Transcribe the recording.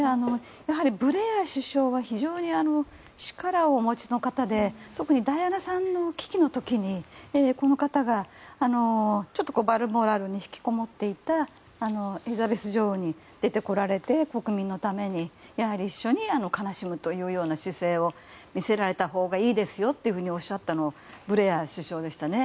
やはり、ブレア首相が非常に力をお持ちの方で特にダイアナさんの危機の時にこの方がちょっとバルモラルに引きこもっていたエリザベス女王に出てこられて、国民のためにやはり一緒に悲しむという姿勢を見せられたほうがいいですよとおっしゃったのがブレア首相でしたね。